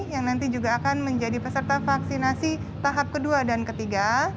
yang nanti juga akan menjadi peserta vaksinasi tahap kedua dan ketiga